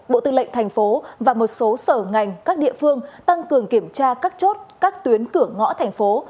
bộ tư lệnh thành phố và một số sở ngành các địa phương tăng cường kiểm tra các chốt các tuyến cửa ngõ thành phố